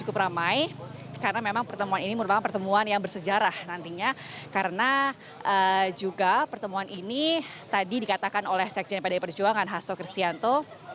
pertemuan yang bersejarah nantinya karena juga pertemuan ini tadi dikatakan oleh sekjen pdi perjuangan hasto kristianto